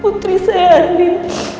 putri saya armin